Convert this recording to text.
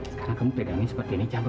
sekarang kamu pegangnya seperti ini